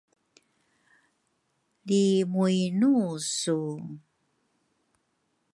lri mu inu su?